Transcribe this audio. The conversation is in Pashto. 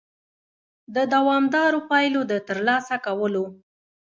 د دوامدارو پایلو د ترلاسه کولو